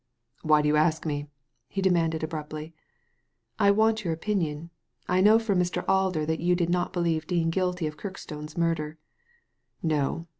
"Why do you ask me?" he demanded abruptly. "I want your opinion. I know from Mr. Alder that you did not believe Dean guilty of Kirkstone's murder." *'No.